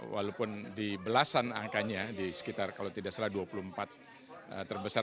walaupun di belasan angkanya di sekitar kalau tidak salah dua puluh empat terbesar